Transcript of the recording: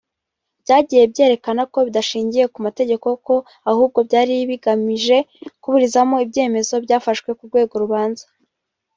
byagiye byerekana ko bidashingiye ku mategeko ko ahubwo byari bigamije kuburizamo ibyemezo byafashe ku rwego rubanza